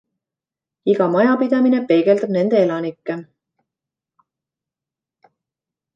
Iga majapidamine peegeldab nende elanikke.